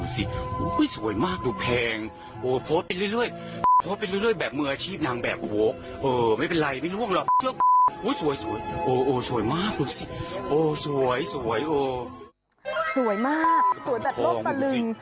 สวยมากสวยแบบโลกตะลึง